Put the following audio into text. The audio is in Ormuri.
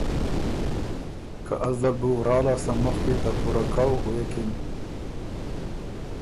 که از دل بُو ورا لاسته مُخکی ته پُوره کؤ غوېکِن